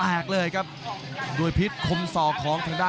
รับทราบบรรดาศักดิ์